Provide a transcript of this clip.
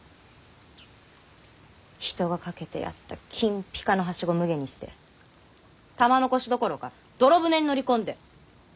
人が掛けてやった金ぴかのはしごむげにして玉のこしどころか泥船に乗り込んで。